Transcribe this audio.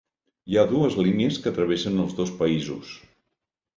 Hi ha dues línies que travessen els dos països.